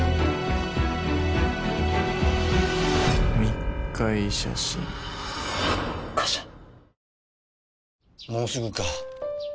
密会写真カシャッ！